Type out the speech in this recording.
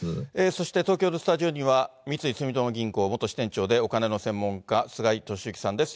そして東京のスタジオには三井住友銀行元支店長で、お金の専門家、菅井敏之さんです。